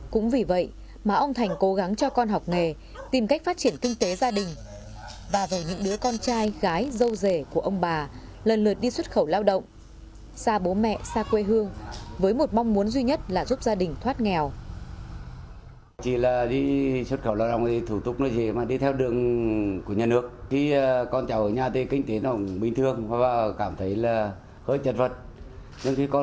cũng vì vậy mà ông thành cố gắng cho con học nghề tìm cách phát triển kinh tế gia đình và rồi những đứa con trai gái dâu rể của ông bà lần lượt đi xuất khẩu lao động xa bố mẹ xa quê hương với một mong muốn duy nhất là giúp gia đình thoát nghèo